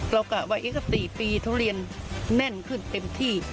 กะว่า๔ปีทุเรียนแน่นขึ้นเต็มที่